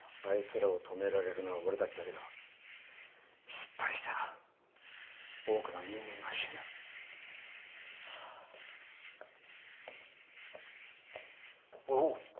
あいつらを止められるのは俺たちだけだ失敗したら多くの人間が死ぬ・・